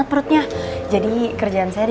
oh yaudah kembali